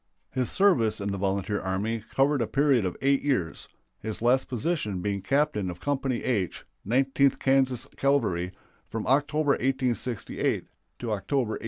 His service in the volunteer army covered a period of eight years, his last position being captain of Company H, Nineteenth Kansas Cavalry, from October, 1868, to October, 1869.